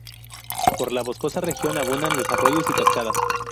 Por la boscosa región abundan los arroyos y cascadas.